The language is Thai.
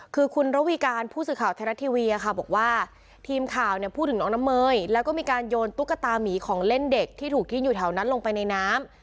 คือคุณระวีการผู้สื่อข่าวไทยรัฐทีวีบอกว่าทีมข่าวเนี่ยพูดถึงน้องน้ำเมยแล้วก็มีการโยนตุ๊กตามีของเล่นเด็กที่ถูกทิ้งอยู่แถวนั้นลงไปในน้ำ